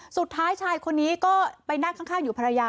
สุดท้ายชายคนนี้ก็ไปนั่งข้างอยู่ภรรยา